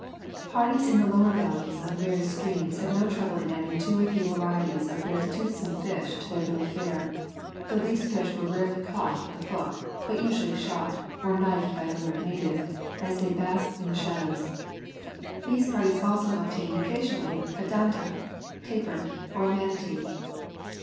Parties in the lower valleys of the various streams had no trouble in adding two or three varieties of very toothsome fish to their bill of fare, though these fish were rarely caught with the hook, but usually shot, or knifed by an alert native, as they basked in the shallows. These parties also obtained occasionally a danta (tapir) or a manatee.